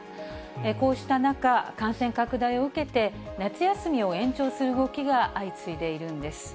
こうした中、感染拡大を受けて、夏休みを延長する動きが相次いでいるんです。